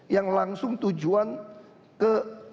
yang langsung tujuan ke